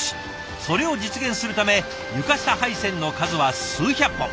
それを実現するため床下配線の数は数百本。